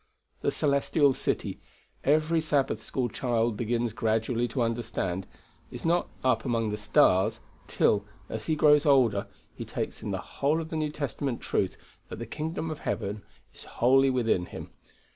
The Celestial City, every Sabbath school child begins gradually to understand, is not up among the stars; till, as he grows older, he takes in the whole of the New Testament truth that the kingdom of heaven is wholly within him.